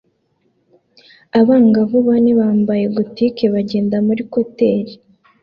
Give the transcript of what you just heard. Abangavu bane bambaye Gothique bagenda muri quartier